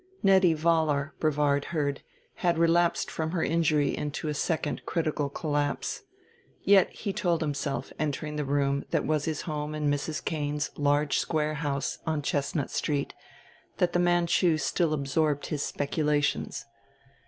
Nettie Vollar, Brevard heard, had relapsed from her injury into a second critical collapse. Yet, he told himself, entering the room that was his home in Mrs. Cane's large square house on Chestnut Street, that the Manchu still absorbed his speculations.